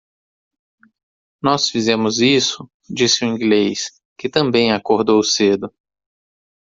"Nós fizemos isso!" disse o inglês? que também acordou cedo.